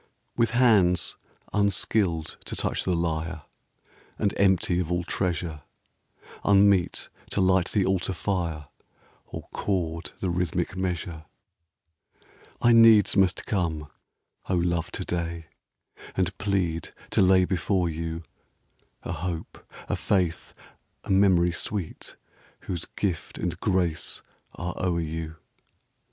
35 AN AUTUMN RETROSPECT. With hands unskilled to touch the lyre, And empty of all treasure, Unmeet to light the altar fire Or chord the rhythmic measure, — I needs must come, O love, to day, And plead to lay before you A hope, a faith, a memory sweet, Whose gift and grace are o'er you.